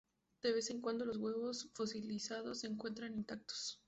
De vez en cuando los huevos fosilizados se encuentran intactos.